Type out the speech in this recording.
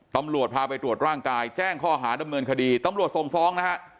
ตำรวจพาไปตรวจร่างกายแจ้งข้อหาดำเนินคดีตำรวจส่งฟ้องนะฮะ